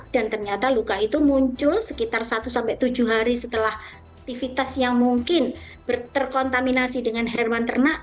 dan ternyata luka itu muncul sekitar satu tujuh hari setelah aktivitas yang mungkin terkontaminasi dengan herwan ternak